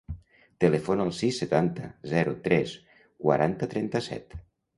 Telefona al sis, setanta, zero, tres, quaranta, trenta-set.